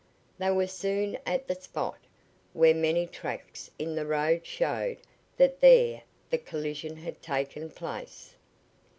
They were soon at the spot, where many tracks in the road showed that there the collision had taken place.